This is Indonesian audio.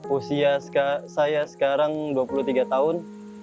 usia saya sekarang dua puluh tiga tahun